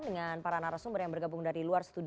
dengan para narasumber yang bergabung dari luar studio